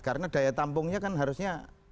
karena daya tampungnya kan harusnya